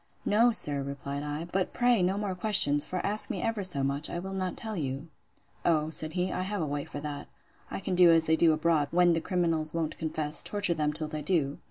No, sir, replied I: But pray no more questions: for ask me ever so much, I will not tell you. O, said he, I have a way for that. I can do as they do abroad, when the criminals won't confess; torture them till they do.